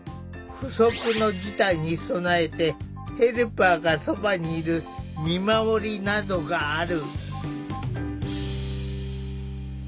不測の事態に備えてヘルパーがそばにいる「見守り」などがある。